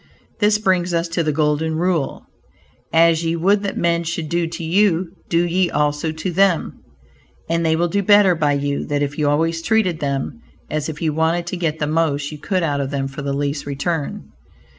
This brings us to the golden rule, "As ye would that men should do to you, do ye also to them" and they will do better by you than if you always treated them as if you wanted to get the most you could out of them for the least return.